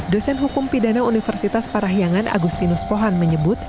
dosen hukum pidana universitas parahiangan agustinus pohan menyebut